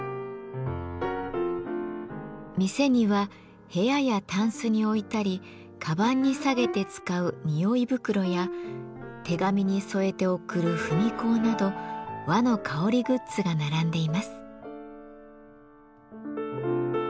店には部屋やたんすに置いたりかばんにさげて使う匂袋や手紙に添えて送る文香など和の香りグッズが並んでいます。